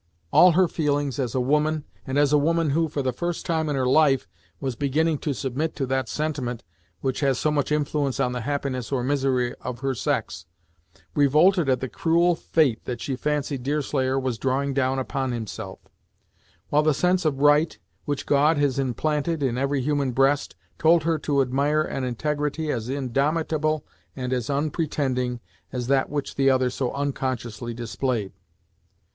All her feelings as a woman, and as a woman who, for the first time in her life was beginning to submit to that sentiment which has so much influence on the happiness or misery of her sex, revolted at the cruel fate that she fancied Deerslayer was drawing down upon himself, while the sense of right, which God has implanted in every human breast, told her to admire an integrity as indomitable and as unpretending as that which the other so unconsciously displayed.